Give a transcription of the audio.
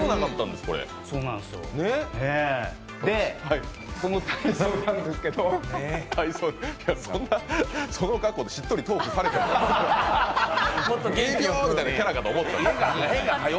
で、この体操なんですけどその格好でしっとりトークされても。はよ